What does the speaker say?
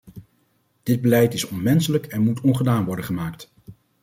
Dit beleid is onmenselijk en moet ongedaan worden gemaakt.